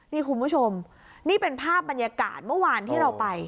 นี่คุณผู้ชมนี่เป็นภาพบรรยากาศเมื่อวานที่เราไป